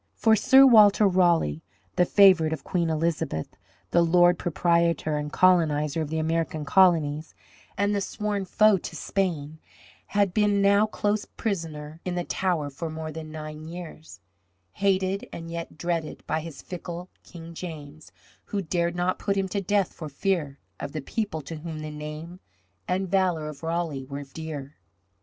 For Sir Walter Raleigh, the favourite of Queen Elizabeth, the lord proprietor and colonizer of the American colonies, and the sworn foe to Spain, had been now close prisoner in the Tower for more than nine years, hated and yet dreaded by this fickle King James, who dared not put him to death for fear of the people to whom the name and valour of Raleigh were dear.